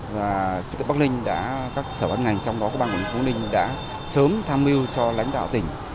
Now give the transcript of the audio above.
và bác ninh đã các sở ban ngành trong đó có ban quản lý bác ninh đã sớm tham mưu cho lãnh đạo tỉnh